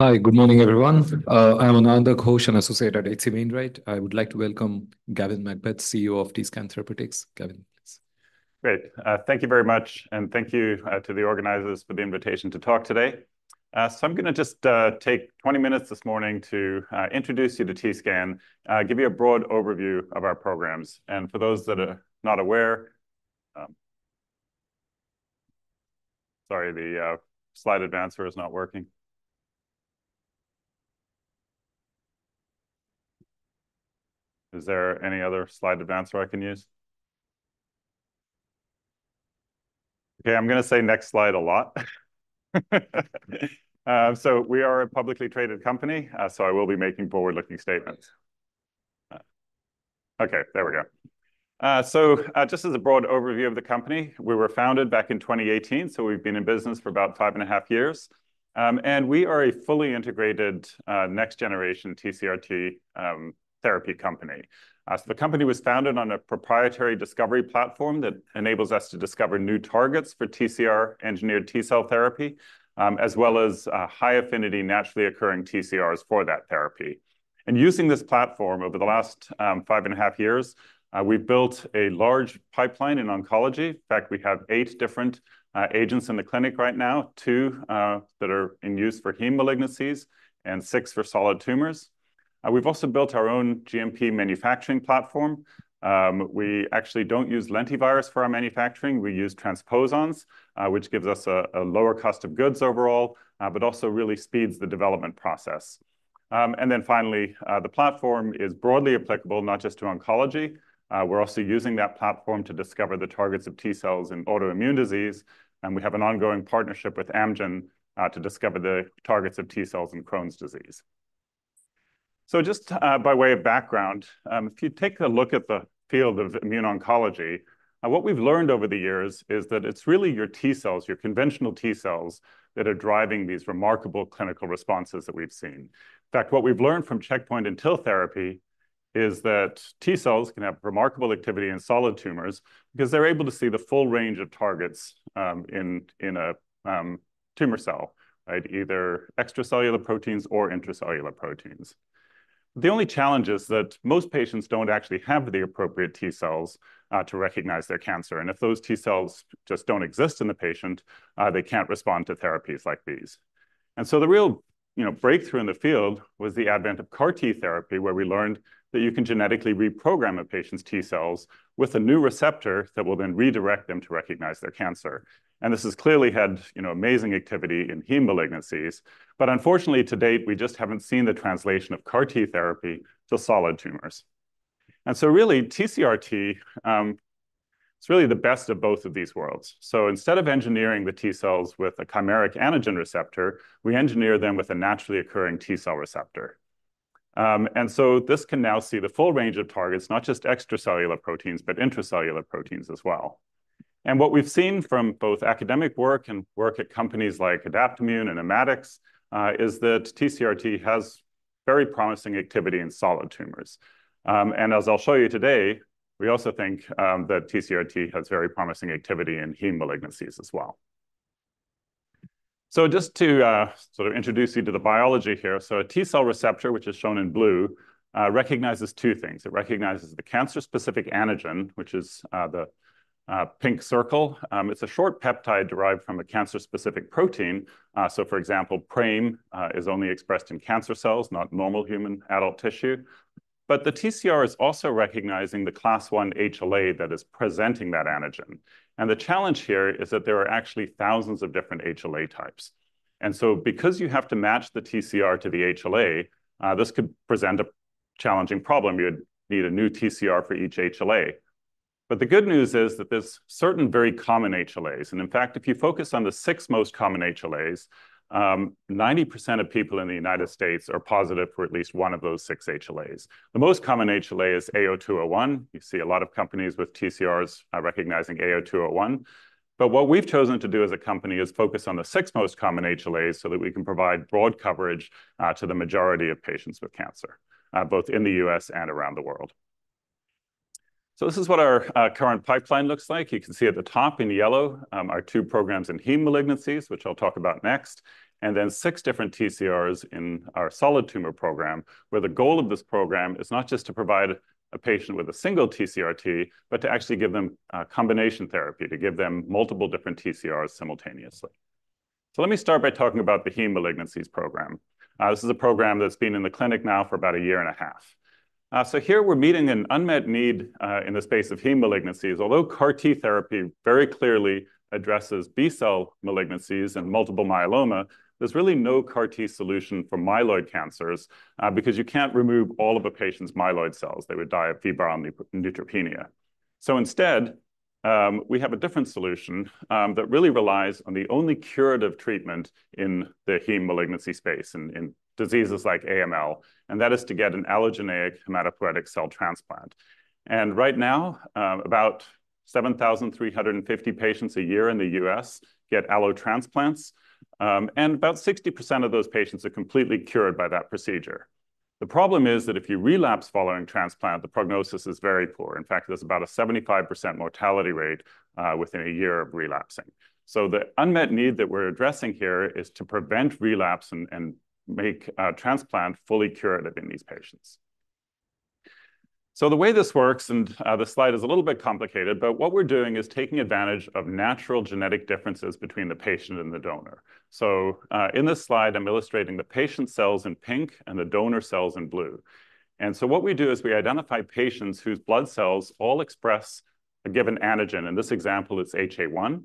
Hi, good morning, everyone. I'm Ananda Ghosh, an associate at H.C. Wainwright. I would like to welcome Gavin MacBeath, CEO of TScan Therapeutics. Gavin, please. Great. Thank you very much, and thank you to the organizers for the invitation to talk today. So I'm gonna just take 20 minutes this morning to introduce you to TScan, give you a broad overview of our programs. For those that are not aware. Sorry, the slide advancer is not working. Is there any other slide advancer I can use? Okay, I'm gonna say next slide a lot. So we are a publicly traded company, so I will be making forward-looking statements. Okay, there we go. So just as a broad overview of the company, we were founded back in 2018, so we've been in business for about five and a half years. And we are a fully integrated next-generation TCR-T therapy company. So the company was founded on a proprietary discovery platform that enables us to discover new targets for TCR-engineered T-cell therapy, as well as, high-affinity naturally occurring TCRs for that therapy. And using this platform over the last, five and a half years, we've built a large pipeline in oncology. In fact, we have eight different, agents in the clinic right now, two that are in use for heme malignancies and six for solid tumors. We've also built our own GMP manufacturing platform. We actually don't use lentivirus for our manufacturing. We use transposons, which gives us a lower cost of goods overall, but also really speeds the development process. And then finally, the platform is broadly applicable, not just to oncology. We're also using that platform to discover the targets of T-cells in autoimmune disease, and we have an ongoing partnership with Amgen to discover the targets of T-cells in Crohn's disease, so just by way of background, if you take a look at the field of immune oncology, what we've learned over the years is that it's really your T-cells, your conventional T-cells, that are driving these remarkable clinical responses that we've seen. In fact, what we've learned from checkpoint and TIL therapy is that T-cells can have remarkable activity in solid tumors because they're able to see the full range of targets in a tumor cell, right? Either extracellular proteins or intracellular proteins. The only challenge is that most patients don't actually have the appropriate T-cells to recognize their cancer. If those T-cells just don't exist in the patient, they can't respond to therapies like these. The real, you know, breakthrough in the field was the advent of CAR T therapy, where we learned that you can genetically reprogram a patient's T-cells with a new receptor that will then redirect them to recognize their cancer. This has clearly had, you know, amazing activity in heme malignancies, but unfortunately, to date, we just haven't seen the translation of CAR T therapy to solid tumors. Really, TCR-T, it's really the best of both of these worlds. Instead of engineering the T-cells with a chimeric antigen receptor, we engineer them with a naturally occurring T-cell receptor. This can now see the full range of targets, not just extracellular proteins, but intracellular proteins as well. What we've seen from both academic work and work at companies like Adaptimmune and Immatics is that TCR-T has very promising activity in solid tumors. As I'll show you today, we also think that TCR-T has very promising activity in heme malignancies as well. Just to sort of introduce you to the biology here. A T-cell receptor, which is shown in blue, recognizes two things. It recognizes the cancer-specific antigen, which is the pink circle. It's a short peptide derived from a cancer-specific protein. For example, PRAME is only expressed in cancer cells, not normal human adult tissue. The TCR is also recognizing the class one HLA that is presenting that antigen. The challenge here is that there are actually thousands of different HLA types. And so because you have to match the TCR to the HLA, this could present a challenging problem. You'd need a new TCR for each HLA. But the good news is that there's certain very common HLAs, and in fact, if you focus on the six most common HLAs, 90% of people in the United States are positive for at least one of those six HLAs. The most common HLA is A0201. You see a lot of companies with TCRs recognizing A0201. But what we've chosen to do as a company is focus on the six most common HLAs so that we can provide broad coverage to the majority of patients with cancer, both in the US and around the world. So this is what our current pipeline looks like. You can see at the top in yellow, our two programs in heme malignancies, which I'll talk about next, and then six different TCRs in our solid tumor program, where the goal of this program is not just to provide a patient with a single TCRT, but to actually give them a combination therapy, to give them multiple different TCRs simultaneously. So let me start by talking about the heme malignancies program. This is a program that's been in the clinic now for about a year and a half. So here we're meeting an unmet need, in the space of heme malignancies. Although CAR T therapy very clearly addresses B-cell malignancies and multiple myeloma, there's really no CAR T solution for myeloid cancers, because you can't remove all of a patient's myeloid cells. They would die of fever and neutropenia. So instead, we have a different solution that really relies on the only curative treatment in the heme malignancy space, in diseases like AML, and that is to get an allogeneic hematopoietic cell transplant. And right now, about 7,350 patients a year in the U.S. get allo transplants, and about 60% of those patients are completely cured by that procedure. The problem is that if you relapse following transplant, the prognosis is very poor. In fact, there's about a 75% mortality rate within a year of relapsing. So the unmet need that we're addressing here is to prevent relapse and make transplant fully curative in these patients. The way this works, and the slide is a little bit complicated, but what we're doing is taking advantage of natural genetic differences between the patient and the donor. In this slide, I'm illustrating the patient cells in pink and the donor cells in blue. What we do is we identify patients whose blood cells all express a given antigen. In this example, it's HA-1.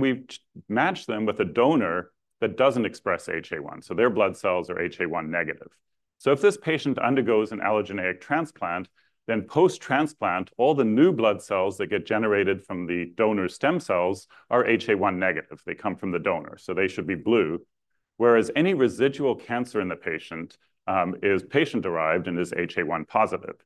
We match them with a donor that doesn't express HA-1, so their blood cells are HA-1 negative. If this patient undergoes an allogeneic transplant, then post-transplant, all the new blood cells that get generated from the donor's stem cells are HA-1 negative. They come from the donor, so they should be blue, whereas any residual cancer in the patient is patient-derived and is HA-1 positive.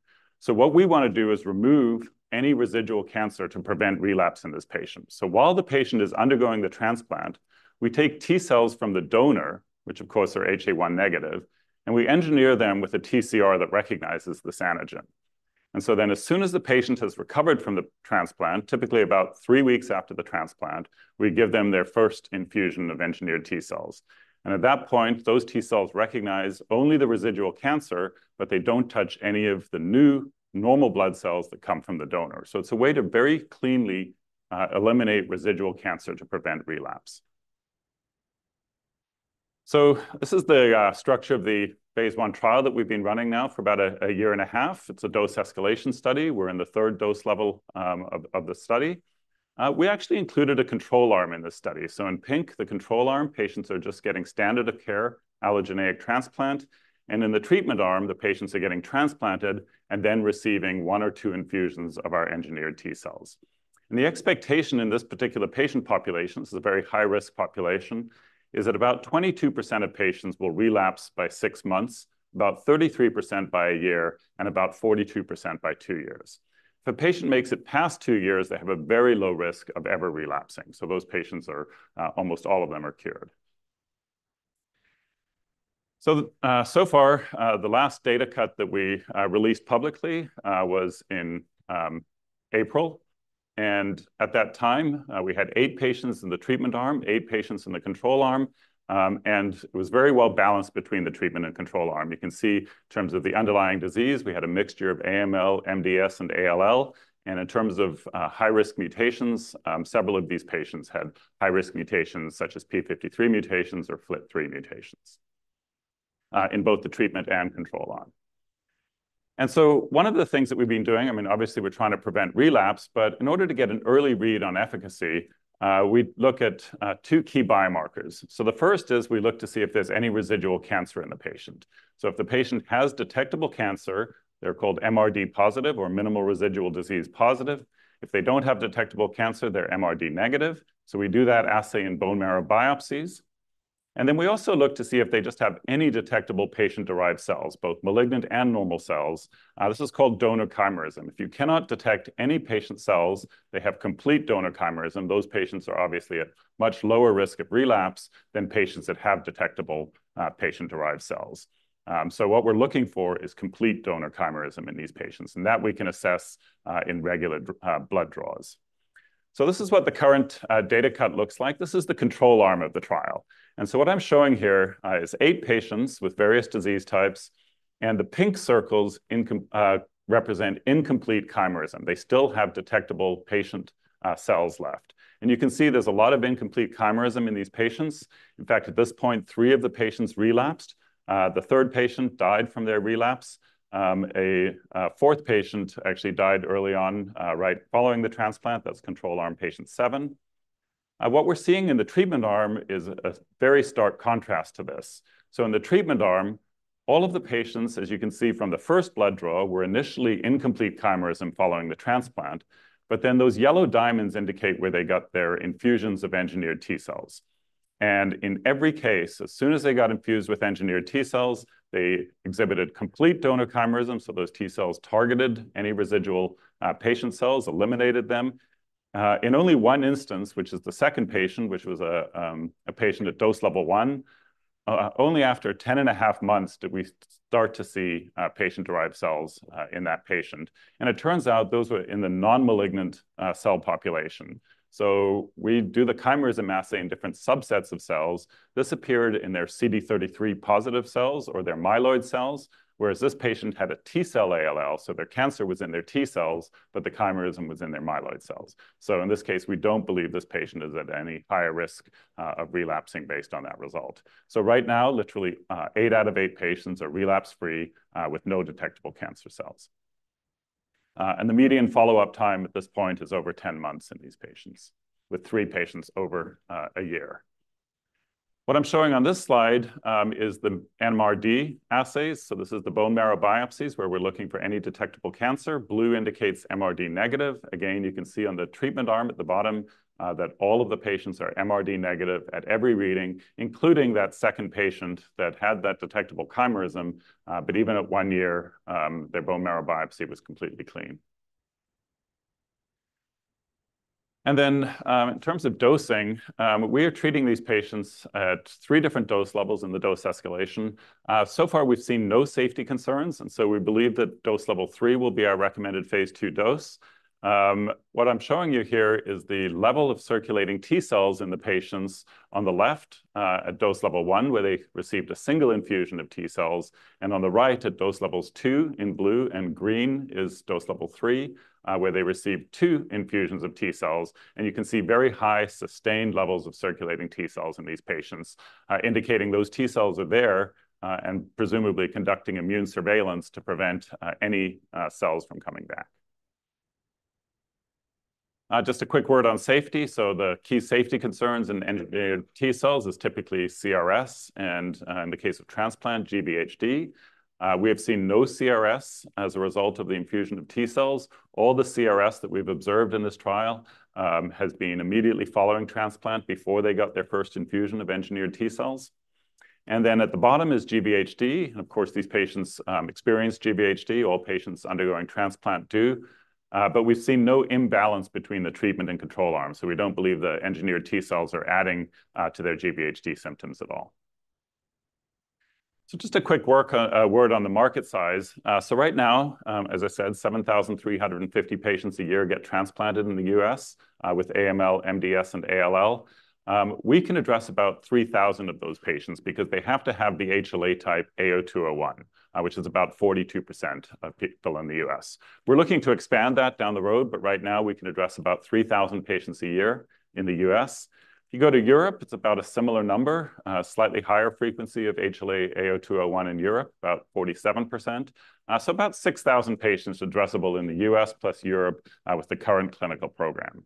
So what we wanna do is remove any residual cancer to prevent relapse in this patient. So while the patient is undergoing the transplant, we take T cells from the donor, which, of course, are HA-1 negative, and we engineer them with a TCR that recognizes this antigen. And so then, as soon as the patient has recovered from the transplant, typically about three weeks after the transplant, we give them their first infusion of engineered T cells. And at that point, those T cells recognize only the residual cancer, but they don't touch any of the new normal blood cells that come from the donor. So it's a way to very cleanly eliminate residual cancer to prevent relapse. So this is the structure of the phase I trial that we've been running now for about a year and a half. It's a dose escalation study. We're in the third dose level of the study. We actually included a control arm in this study. So in pink, the control arm, patients are just getting standard of care, allogeneic transplant, and in the treatment arm, the patients are getting transplanted and then receiving one or two infusions of our engineered T cells. And the expectation in this particular patient population, this is a very high-risk population, is that about 22% of patients will relapse by six months, about 33% by a year, and about 42% by two years. If a patient makes it past two years, they have a very low risk of ever relapsing. So those patients are almost all of them are cured. So far, the last data cut that we released publicly was in April, and at that time, we had eight patients in the treatment arm, eight patients in the control arm, and it was very well balanced between the treatment and control arm. You can see in terms of the underlying disease, we had a mixture of AML, MDS, and ALL. In terms of high-risk mutations, several of these patients had high-risk mutations, such as P53 mutations or FLT3 mutations in both the treatment and control arm. One of the things that we've been doing, I mean, obviously, we're trying to prevent relapse, but in order to get an early read on efficacy, we look at two key biomarkers. So the first is we look to see if there's any residual cancer in the patient. So if the patient has detectable cancer, they're called MRD positive or minimal residual disease positive. If they don't have detectable cancer, they're MRD negative. So we do that assay in bone marrow biopsies. And then we also look to see if they just have any detectable patient-derived cells, both malignant and normal cells. This is called donor chimerism. If you cannot detect any patient cells, they have complete donor chimerism. Those patients are obviously at much lower risk of relapse than patients that have detectable patient-derived cells. So what we're looking for is complete donor chimerism in these patients, and that we can assess in regular blood draws. So this is what the current data cut looks like. This is the control arm of the trial. And so what I'm showing here is eight patients with various disease types, and the pink circles represent incomplete chimerism. They still have detectable patient cells left. And you can see there's a lot of incomplete chimerism in these patients. In fact, at this point, three of the patients relapsed. The third patient died from their relapse. A fourth patient actually died early on right following the transplant. That's control arm patient seven. What we're seeing in the treatment arm is a very stark contrast to this. So in the treatment arm, all of the patients, as you can see from the first blood draw, were initially incomplete chimerism following the transplant, but then those yellow diamonds indicate where they got their infusions of engineered T cells. In every case, as soon as they got infused with engineered T cells, they exhibited complete donor chimerism, so those T cells targeted any residual patient cells, eliminated them. In only one instance, which is the second patient, which was a patient at dose level one, only after ten and a half months did we start to see patient-derived cells in that patient. It turns out those were in the non-malignant cell population. We do the chimerism assay in different subsets of cells. This appeared in their CD33 positive cells or their myeloid cells, whereas this patient had a T cell ALL, so their cancer was in their T cells, but the chimerism was in their myeloid cells. In this case, we don't believe this patient is at any higher risk of relapsing based on that result. So right now, literally, eight out of eight patients are relapse free, with no detectable cancer cells. And the median follow-up time at this point is over ten months in these patients, with three patients over a year. What I'm showing on this slide is the MRD assays. So this is the bone marrow biopsies, where we're looking for any detectable cancer. Blue indicates MRD negative. Again, you can see on the treatment arm at the bottom that all of the patients are MRD negative at every reading, including that second patient that had that detectable chimerism. But even at one year, their bone marrow biopsy was completely clean. And then, in terms of dosing, we are treating these patients at three different dose levels in the dose escalation. So far, we've seen no safety concerns, and so we believe that dose level three will be our recommended phase two dose. What I'm showing you here is the level of circulating T cells in the patients on the left, at dose level one, where they received a single infusion of T cells, and on the right, at dose levels two in blue, and green is dose level three, where they received two infusions of T cells. And you can see very high, sustained levels of circulating T cells in these patients, indicating those T cells are there, and presumably conducting immune surveillance to prevent any cells from coming back. Just a quick word on safety. So the key safety concerns in engineered T cells is typically CRS, and in the case of transplant, GVHD. We have seen no CRS as a result of the infusion of T cells. All the CRS that we've observed in this trial has been immediately following transplant before they got their first infusion of engineered T cells. And then at the bottom is GVHD. And of course, these patients experience GVHD, all patients undergoing transplant do. But we've seen no imbalance between the treatment and control arms, so we don't believe the engineered T cells are adding to their GVHD symptoms at all. So just a quick word on the market size. So right now, as I said, 7,350 patients a year get transplanted in the U.S. with AML, MDS, and ALL. We can address about 3,000 of those patients because they have to have the HLA type A0201, which is about 42% of people in the U.S. We're looking to expand that down the road, but right now, we can address about 3,000 patients a year in the U.S. If you go to Europe, it's about a similar number, slightly higher frequency of HLA A0201 in Europe, about 47%. So about 6,000 patients addressable in the U.S. plus Europe, with the current clinical program.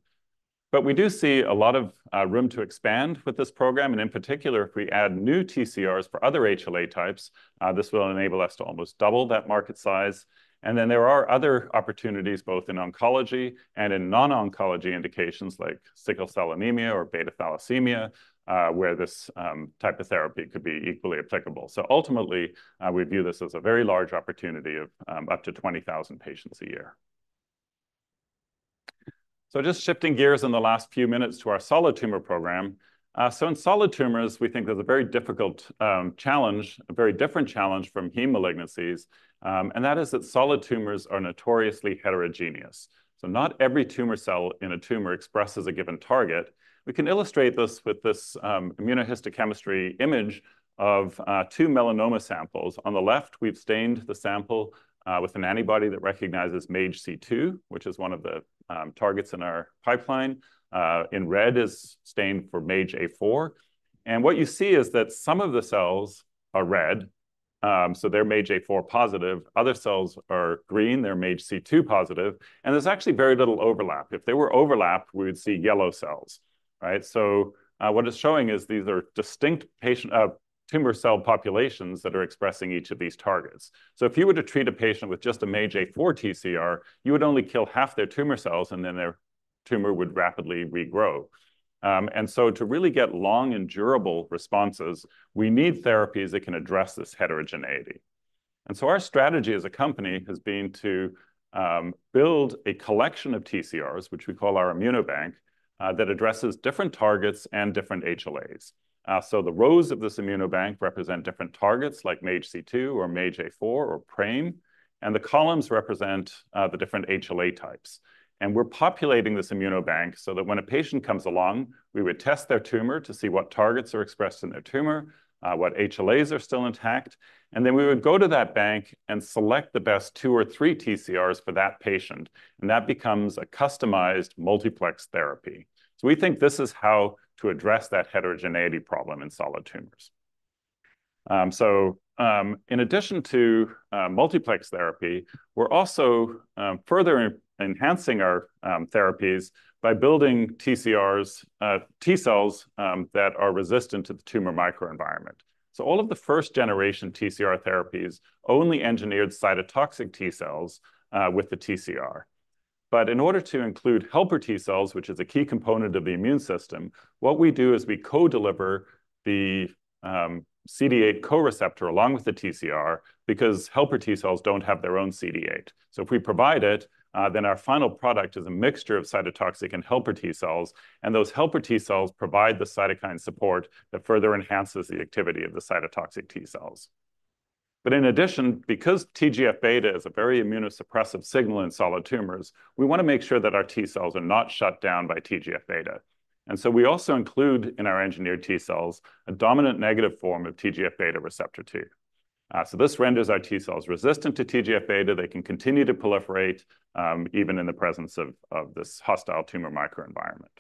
But we do see a lot of room to expand with this program, and in particular, if we add new TCRs for other HLA types, this will enable us to almost double that market size. There are other opportunities, both in oncology and in non-oncology indications like sickle cell anemia or beta thalassemia, where this type of therapy could be equally applicable. Ultimately, we view this as a very large opportunity of up to 20,000 patients a year. Just shifting gears in the last few minutes to our solid tumor program. In solid tumors, we think there's a very difficult challenge, a very different challenge from heme malignancies, and that is that solid tumors are notoriously heterogeneous. Not every tumor cell in a tumor expresses a given target. We can illustrate this with this immunohistochemistry image of two melanoma samples. On the left, we've stained the sample with an antibody that recognizes MAGE-C2, which is one of the targets in our pipeline. In red is stained for MAGE-A4. What you see is that some of the cells are red, so they're MAGE-A4 positive. Other cells are green, they're MAGE-C2 positive, and there's actually very little overlap. If they were overlapped, we would see yellow cells, right? What it's showing is these are distinct patient tumor cell populations that are expressing each of these targets. If you were to treat a patient with just a MAGE-A4 TCR, you would only kill half their tumor cells, and then their tumor would rapidly regrow. To really get long and durable responses, we need therapies that can address this heterogeneity. Our strategy as a company has been to build a collection of TCRs, which we call our ImmunoBank, that addresses different targets and different HLAs. So the rows of this ImmunoBank represent different targets, like MAGE-C2 or MAGE-A4 or PRAME, and the columns represent the different HLA types. And we're populating this ImmunoBank so that when a patient comes along, we would test their tumor to see what targets are expressed in their tumor, what HLAs are still intact, and then we would go to that bank and select the best two or three TCRs for that patient, and that becomes a customized multiplex therapy. So we think this is how to address that heterogeneity problem in solid tumors. In addition to multiplex therapy, we're also further enhancing our therapies by building TCRs, T cells, that are resistant to the tumor microenvironment. So all of the first-generation TCR therapies only engineered cytotoxic T cells with the TCR. But in order to include helper T cells, which is a key component of the immune system, what we do is we co-deliver the CD8 co-receptor along with the TCR because helper T cells don't have their own CD8. So if we provide it, then our final product is a mixture of cytotoxic and helper T cells, and those helper T cells provide the cytokine support that further enhances the activity of the cytotoxic T cells. But in addition, because TGF-beta is a very immunosuppressive signal in solid tumors, we wanna make sure that our T cells are not shut down by TGF-beta. And so we also include in our engineered T cells a dominant negative form of TGF-beta receptor 2. So this renders our T cells resistant to TGF-beta. They can continue to proliferate even in the presence of this hostile tumor microenvironment.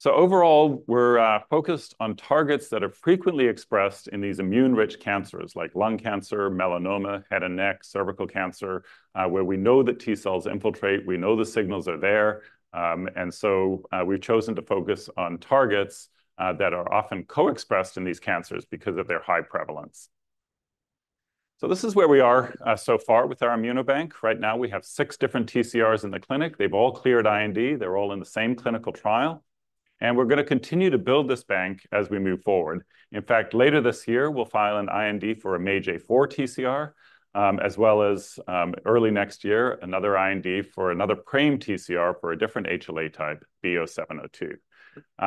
So overall, we're focused on targets that are frequently expressed in these immune-rich cancers, like lung cancer, melanoma, head and neck, cervical cancer, where we know that T cells infiltrate, we know the signals are there, and so we've chosen to focus on targets that are often co-expressed in these cancers because of their high prevalence, so this is where we are so far with our ImmunoBank. Right now, we have six different TCRs in the clinic. They've all cleared IND. They're all in the same clinical trial... and we're gonna continue to build this bank as we move forward. In fact, later this year, we'll file an IND for a MAGE-A4 TCR, as well as early next year, another IND for another PRAME TCR for a different HLA type, B*07:02.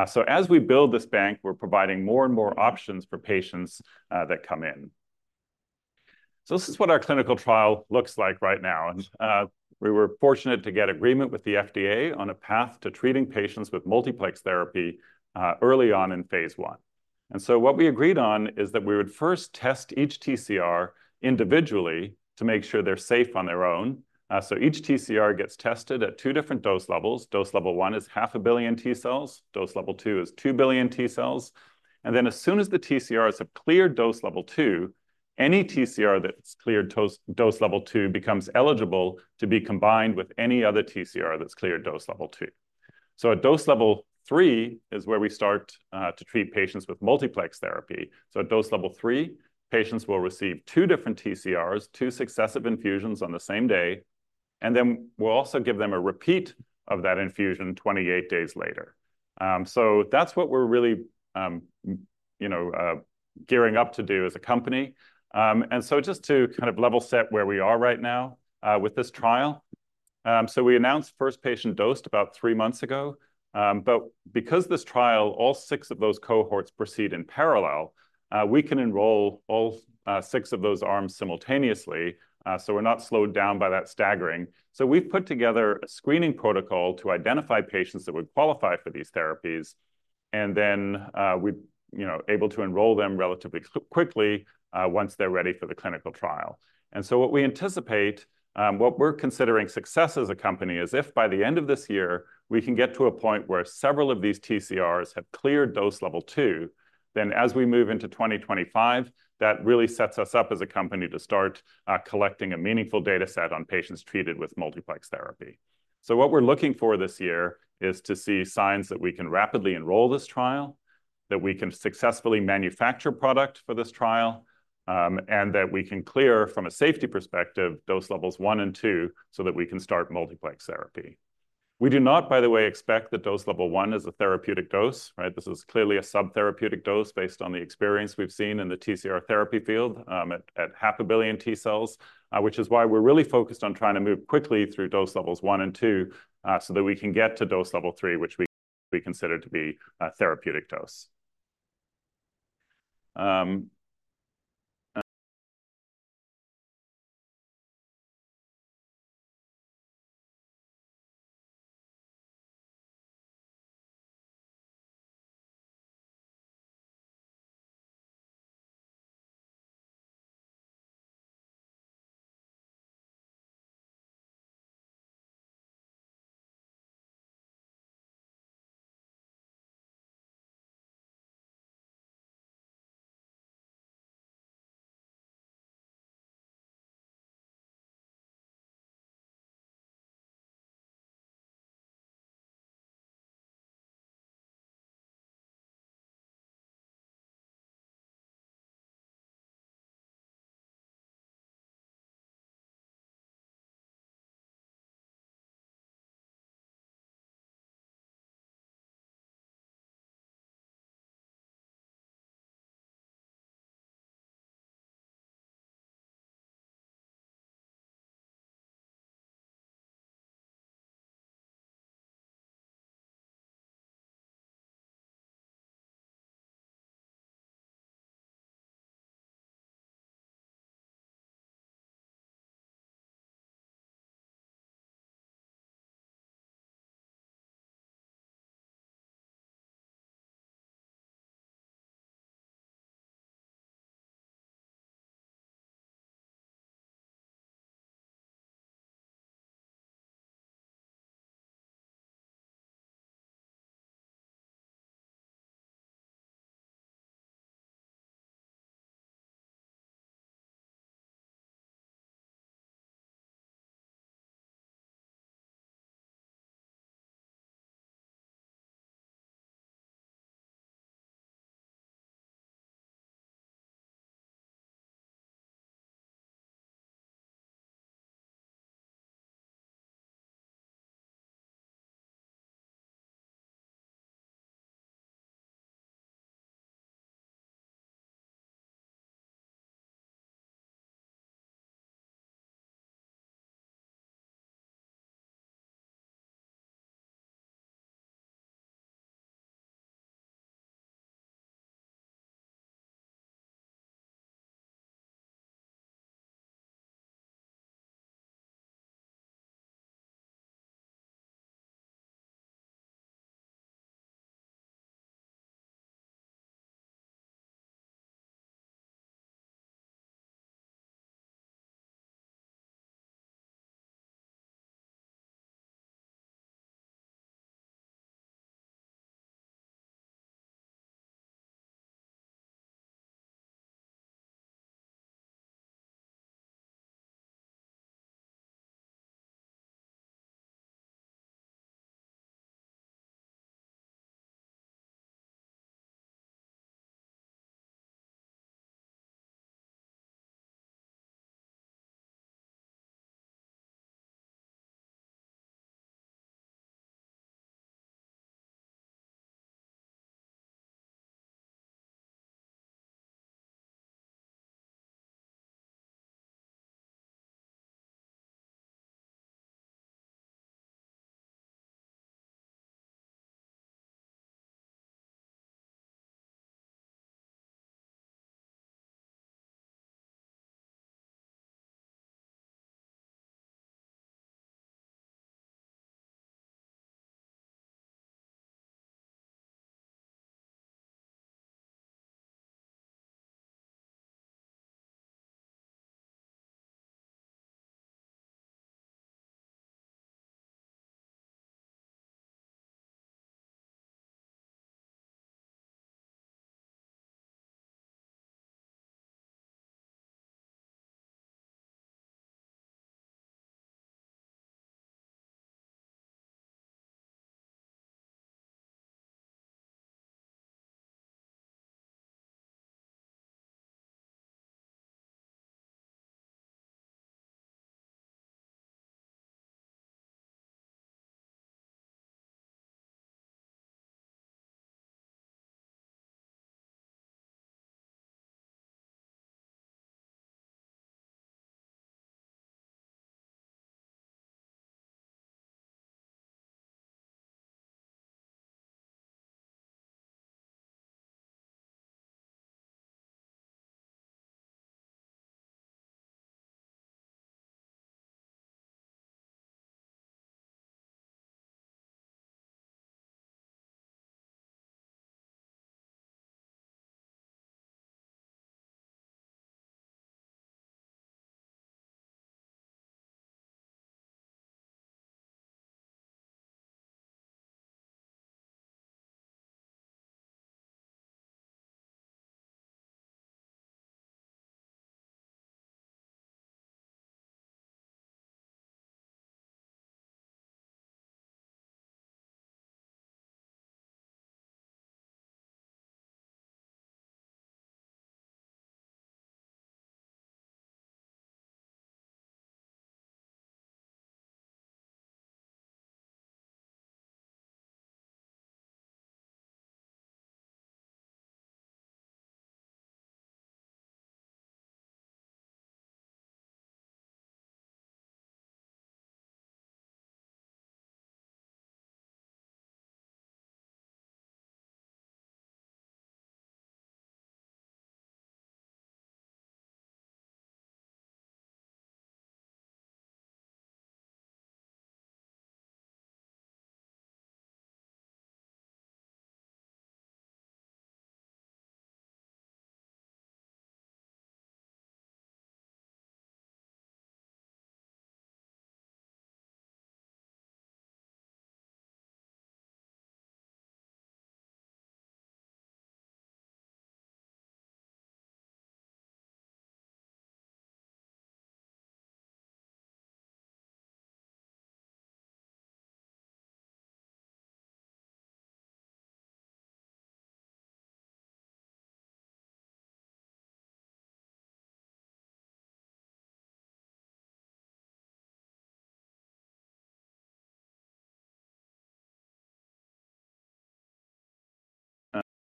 So as we build this bank, we're providing more and more options for patients that come in. So this is what our clinical trial looks like right now, and we were fortunate to get agreement with the FDA on a path to treating patients with multiplex therapy early on in phase one. And so what we agreed on is that we would first test each TCR individually to make sure they're safe on their own. So each TCR gets tested at two different dose levels. Dose level 1 is 500 million T cells. Dose level 2 is 2 billion T cells. And then as soon as the TCR has cleared dose level 2, any TCR that's cleared dose level 2 becomes eligible to be combined with any other TCR that's cleared dose level 2. So at dose level three is where we start to treat patients with multiplex therapy. So at dose level three, patients will receive two different TCRs, two successive infusions on the same day, and then we'll also give them a repeat of that infusion twenty-eight days later. So that's what we're really, you know, gearing up to do as a company. And so just to kind of level set where we are right now with this trial. So we announced first patient dosed about three months ago, but because this trial, all six of those cohorts proceed in parallel, we can enroll all six of those arms simultaneously. So we're not slowed down by that staggering. So we've put together a screening protocol to identify patients that would qualify for these therapies, and then, we're, you know, able to enroll them relatively quickly, once they're ready for the clinical trial. And so what we anticipate, what we're considering success as a company is if by the end of this year, we can get to a point where several of these TCRs have cleared dose level two, then as we move into 2025, that really sets us up as a company to start collecting a meaningful data set on patients treated with multiplex therapy. So what we're looking for this year is to see signs that we can rapidly enroll this trial, that we can successfully manufacture product for this trial, and that we can clear, from a safety perspective, dose levels one and two, so that we can start multiplex therapy. We do not, by the way, expect that dose level one is a therapeutic dose, right? This is clearly a subtherapeutic dose based on the experience we've seen in the TCR therapy field, at 500 million T cells, which is why we're really focused on trying to move quickly through dose levels one and two, so that we can get to dose level three, which we consider to be a therapeutic dose.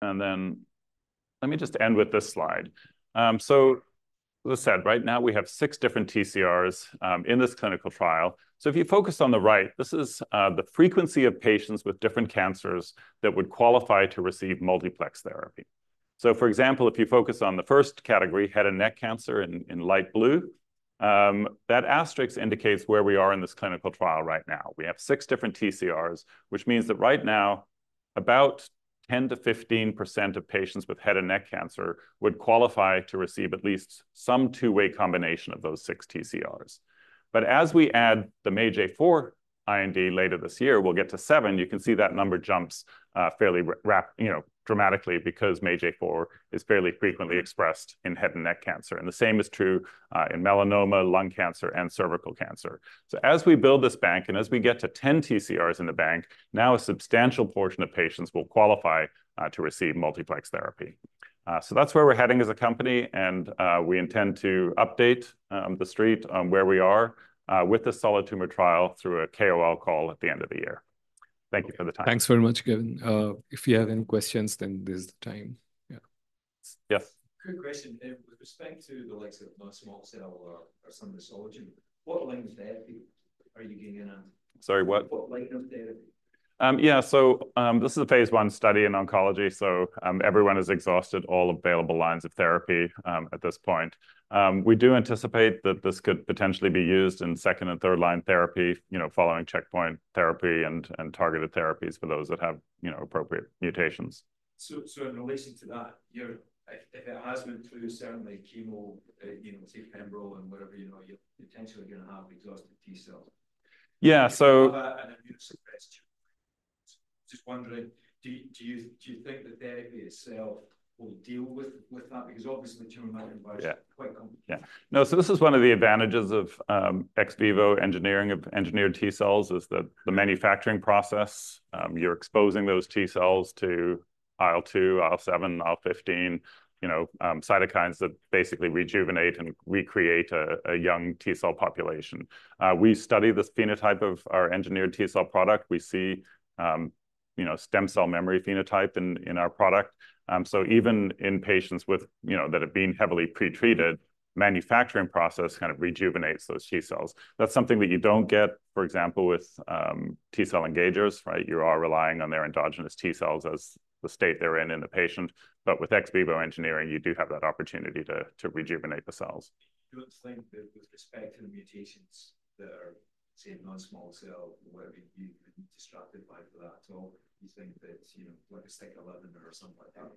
Then let me just end with this slide. As I said, right now we have six different TCRs in this clinical trial. If you focus on the right, this is the frequency of patients with different cancers that would qualify to receive multiplex therapy. For example, if you focus on the first category, head and neck cancer in light blue, that asterisk indicates where we are in this clinical trial right now. We have six different TCRs, which means that right now, about 10%-15% of patients with head and neck cancer would qualify to receive at least some two-way combination of those six TCRs. But as we add the MAGE-A4 IND later this year, we'll get to seven. You can see that number jumps fairly rapidly, you know, dramatically, because MAGE-A4 is fairly frequently expressed in head and neck cancer. And the same is true in melanoma, lung cancer, and cervical cancer. So as we build this bank, and as we get to 10 TCRs in the bank, now a substantial portion of patients will qualify to receive multiplex therapy. So that's where we're heading as a company, and we intend to update the street on where we are with the solid tumor trial through a KOL call at the end of the year. Thank you for the time. Thanks very much, Gavin. If you have any questions, then this is the time. Yeah. Yes. Quick question. With respect to the likes of non-small cell or some of the solid tumor, what line of therapy are you getting in at? Sorry, what? What line of therapy? Yeah. So, this is a phase one study in oncology, so, everyone has exhausted all available lines of therapy, at this point. We do anticipate that this could potentially be used in second and third line therapy, you know, following checkpoint therapy and targeted therapies for those that have, you know, appropriate mutations. In relation to that, if it has been through certainly chemo, you know, take pembro and whatever, you know, you're potentially going to have exhausted T-cells. Yeah, so... Immunosuppressed too. Just wondering, do you think the therapy itself will deal with that? Because obviously, tumor microenvironment- Yeah. Quite complicated. Yeah. No, so this is one of the advantages of ex vivo engineering of engineered T-cells, is that the manufacturing process, you're exposing those T-cells to IL-2, IL-7, IL-15, you know, cytokines that basically rejuvenate and recreate a young T-cell population. We study this phenotype of our engineered T-cell product. We see, you know, stem cell memory phenotype in our product. So even in patients with, you know, that have been heavily pretreated, manufacturing process kind of rejuvenates those T-cells. That's something that you don't get, for example, with T-cell engagers, right? You are relying on their endogenous T-cells as the state they're in in the patient. But with ex vivo engineering, you do have that opportunity to rejuvenate the cells. You don't think that with respect to the mutations that are, say, non-small cell, whether you've been distracted by that at all? You think that, you know, like a STK11 or something like that,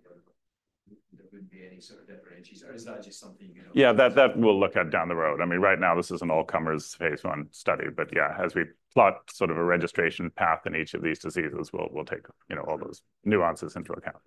there wouldn't be any sort of differences, or is that just something, you know Yeah, that, that we'll look at down the road. I mean, right now, this is an all-comers phase one study. But yeah, as we plot sort of a registration path in each of these diseases, we'll take, you know, all those nuances into account.